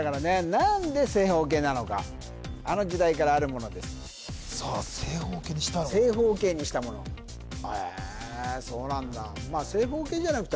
何で正方形なのかあの時代からあるものですさあ正方形にした正方形にしたものへえそうなんだ